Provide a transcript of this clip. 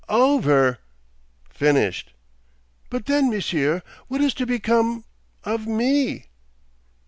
'Over!' 'Finished.' 'But then, Monsieur—what is to become—of _me?